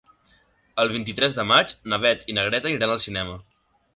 El vint-i-tres de maig na Beth i na Greta iran al cinema.